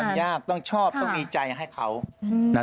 มันยากต้องชอบต้องมีใจให้เขานะ